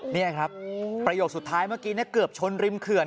นี่ครับประโยคสุดท้ายเมื่อกี้เกือบชนริมเขื่อน